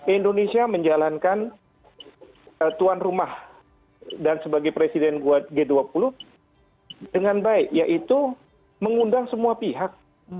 indonesia menjalankan tuan rumah dan sebagai presiden g dua puluh dengan baik yaitu mengundang semua pihak